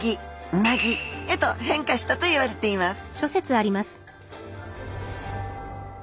「うなぎ」へと変化したといわれています